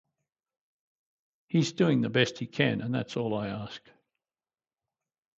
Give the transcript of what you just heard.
He's doing the best he can, and that's all I ask.